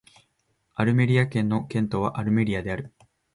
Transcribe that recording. アルメリア県の県都はアルメリアである